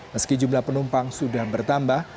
meski jumlah penumpang sudah bertambah